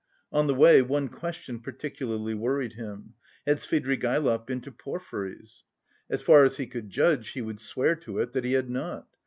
On the way, one question particularly worried him: had Svidrigaïlov been to Porfiry's? As far as he could judge, he would swear to it, that he had not.